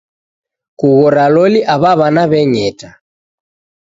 Kughora loli awa wana weng'eta.